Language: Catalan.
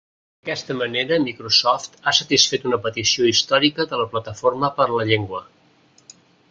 D'aquesta manera Microsoft ha satisfet una petició històrica de la Plataforma per la Llengua.